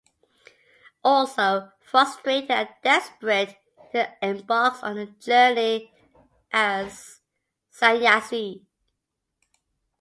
Also frustrated and desperate, he then embarks on a journey as Sanyasi.